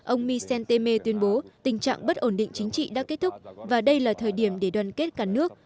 ông michel temer tuyên bố tình trạng bất ổn định chính trị đã kết thúc và đây là thời điểm để đoàn kết cả nước